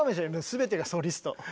全てがソリストで。